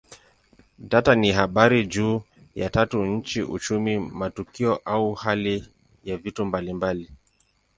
Data ni habari juu ya watu, nchi, uchumi, matukio au hali ya vitu mbalimbali.